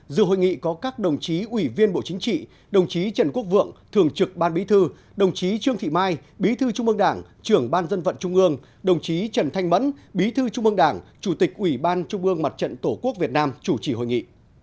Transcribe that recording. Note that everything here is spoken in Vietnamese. dự hội nghị có các đồng chí ủy viên bộ chính trị đồng chí trần quốc vượng thường trực ban bí thư đồng chí trương thị mai bí thư trung ương đảng trưởng ban dân vận trung ương đồng chí trần thanh mẫn bí thư trung ương đảng chủ tịch ủy ban trung ương mặt trận tổ quốc việt nam chủ trì hội nghị